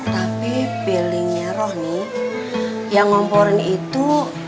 tapi billingnya roh nih yang ngomporin itu